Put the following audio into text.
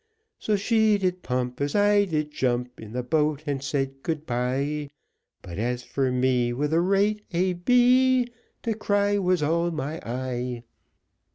So she did pump, As I did jump In the boat, and said, "Good bye;" But as for me With the rate A B, To cry was all my eye.